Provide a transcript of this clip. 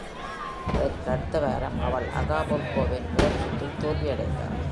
அதற்கு அடுத்த வாரம் அவள் அகாபுல்கோவின் முதல் சுற்றில் தோல்வியடைந்தாள்